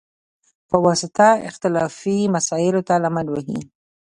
په واسطه، اختلافي مسایلوته لمن ووهي،